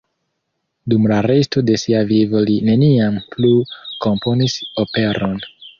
Dum la resto de sia vivo li neniam plu komponis operon.